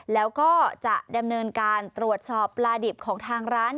แล้วก็จะดำเนินการตรวจสอบปลาดิบของทางร้าน